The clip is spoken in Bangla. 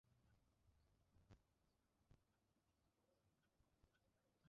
গোন্ডাগিরির জন্য দে দুবার গ্রেফতার হয়েছিল।